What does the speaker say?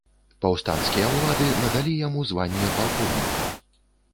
Паўстанцкія ўлады надалі яму званне палкоўніка.